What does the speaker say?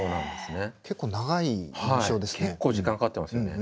結構長い印象ですね。